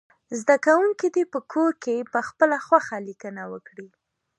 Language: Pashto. زده کوونکي دې په کور کې پخپله خوښه لیکنه وکړي.